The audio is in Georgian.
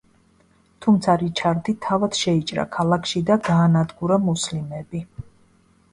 თუმცა რიჩარდი თავად შეიჭრა ქალაქში და გაანადგურა მუსლიმები.